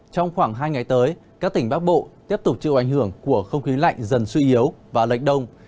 trong khoảng hai ngày tới các tỉnh bắc bộ tiếp tục chịu ảnh hưởng của không khí lạnh dần suy yếu và lệch đông